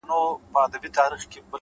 o گلابي شونډي يې د بې په نوم رپيږي،